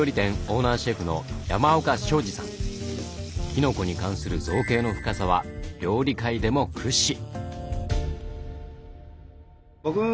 きのこに関する造詣の深さは料理界でも屈指。